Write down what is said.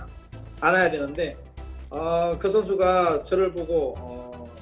kami harus berusaha untuk berusaha untuk menang gol bersama